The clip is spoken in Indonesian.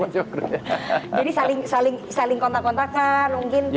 jadi saling saling saling kontak kontakan mungkin